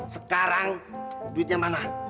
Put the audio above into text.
sekarang duitnya mana